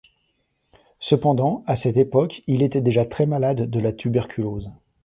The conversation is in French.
Cependant, à cette époque, il était déjà très malade de la tuberculose.